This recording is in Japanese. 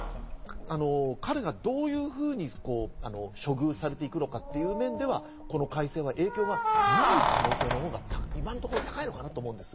彼がどういうふうに処遇されていくのかという面では、この改正は影響がない可能性のほうが今のところ高いのかなと思います。